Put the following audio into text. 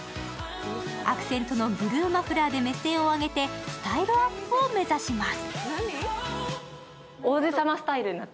アクセントのブルーマフラーで目線を上げてスタイルアップを目指します。